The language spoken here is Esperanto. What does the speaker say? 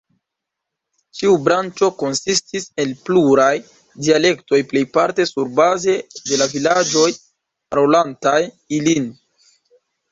Ĉiu branĉo konsistis el pluraj dialektoj, plejparte surbaze de la vilaĝoj parolantaj ilin.